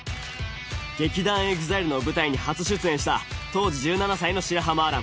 劇団ＥＸＩＬＥの舞台に初出演した当時１７歳の白濱亜嵐。